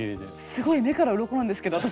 すごい目からうろこなんですけど私。